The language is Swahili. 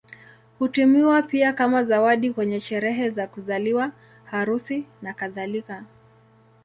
Hutumiwa pia kama zawadi kwenye sherehe za kuzaliwa, harusi, nakadhalika.